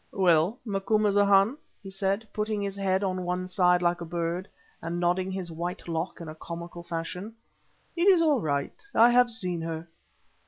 "Well, Macumazahn," he said, putting his head on one side like a bird, and nodding his white lock in a comical fashion, "it is all right; I have seen her."